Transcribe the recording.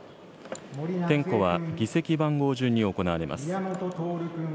点呼は議席番号順に行われます。